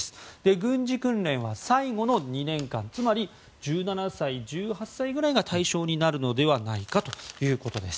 軍事訓練は最後の２年間つまり１７歳、１８歳ぐらいが対象になるのではないかということです。